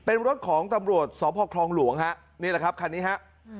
ทำรถของตำรวจสพครองหลวงที่แหละครับคันนี้ครับ